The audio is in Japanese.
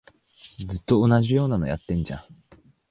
ずっと同じようなのやってんじゃん